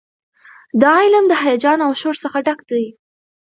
دا علم د هیجان او شور څخه ډک دی.